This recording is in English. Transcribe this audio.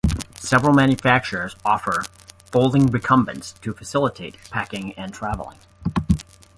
Several manufacturers offer folding recumbents to facilitate packing and travelling.